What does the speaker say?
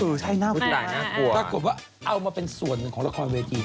อือใช่หน้าบูชัยน่ากลัวอาจกลัวว่าเอามาเป็นส่วนหนึ่งของละครเวที